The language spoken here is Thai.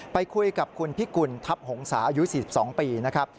ไปคุยกับคุณพิกุลทัพหงษาอายุ๔๒ปีนะครับ